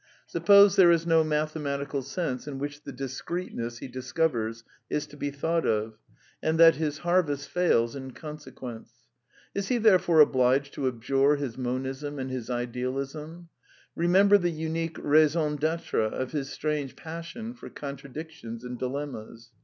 Suppose there is no mathematical sense in which the discreteness he dis covers is to be thought of, and that his harvest fails in consequence. Is he therefore obliged to abjure his Monism and his Idealism ? Bemember the unique raison d'etre of his strange passion for contradictions and di lemmas.